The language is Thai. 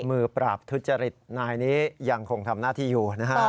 มือปราบทุจริตนายนี้ยังคงทำหน้าที่อยู่นะฮะ